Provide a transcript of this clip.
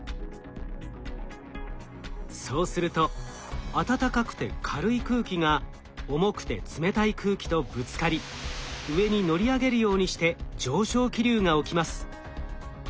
そうすると暖かくて軽い空気が重くて冷たい空気とぶつかり上に乗り上げるようにして上昇気流が起きます。